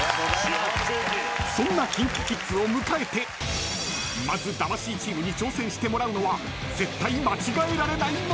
［そんなＫｉｎＫｉＫｉｄｓを迎えてまず魂チームに挑戦してもらうのは絶対間違えられない問題］